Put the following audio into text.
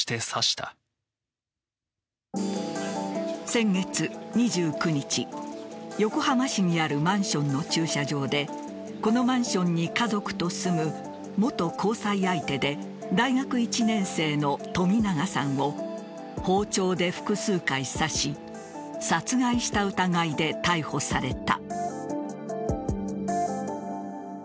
先月２９日、横浜市にあるマンションの駐車場でこのマンションに家族と住む元交際相手で大学１年生の冨永さんを包丁で複数回刺し殺害した疑いで逮捕された。